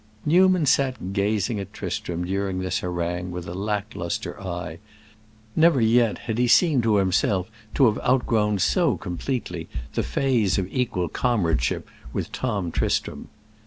Newman sat gazing at Tristram during this harangue with a lack lustre eye; never yet had he seemed to himself to have outgrown so completely the phase of equal comradeship with Tom Tristram.